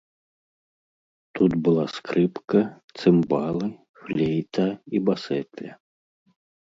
Тут была скрыпка, цымбалы, флейта і басэтля.